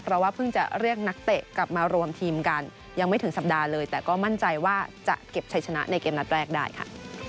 เพราะว่าเพิ่งจะเรียกนักเตะกลับมารวมทีมกันยังไม่ถึงสัปดาห์เลยแต่ก็มั่นใจว่าจะเก็บชัยชนะในเกมนัดแรกได้ค่ะ